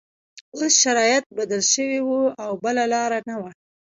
اوس شرایط بدل شوي وو او بله لاره نه وه